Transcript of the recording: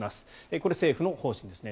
これは政府の方針ですね。